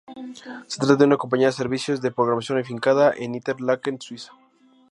Se trata de una compañía Servicios de programación afincada en Interlaken, Suiza.